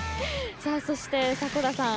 そして、迫田さん